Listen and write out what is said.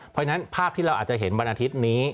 เพราะฉะนั้นภาพที่เราอาจจะเห็นวันอาทิตย์นี้